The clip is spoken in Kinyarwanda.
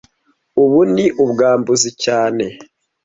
Ubu ni ubwambuzi cyane